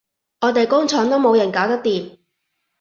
我哋工廠都冇人搞得掂